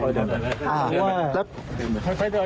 เพราะว่า